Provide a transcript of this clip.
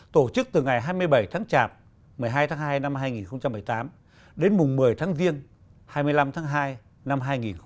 tổ chức từ ngày hai mươi bảy tháng chạp một mươi hai tháng hai năm hai nghìn một mươi tám đến mùng một mươi tháng riêng hai mươi năm tháng hai năm hai nghìn một mươi chín